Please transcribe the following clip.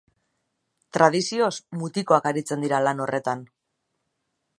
Tradizioz mutikoak aritzen dira lan horretan.